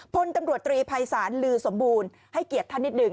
พลตำรวจตรีภัยศาลลือสมบูรณ์ให้เกียรติท่านนิดหนึ่ง